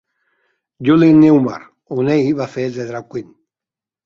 Julie Newmar, on ell va fer de drag-queen.